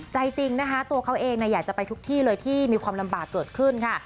ใจจริงนะคะตัวเขาเองอยากจะไปทุกที่เลยที่มีความลำบากเกิดขึ้นค่ะ